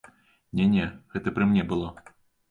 Не-не, гэта пры мне было.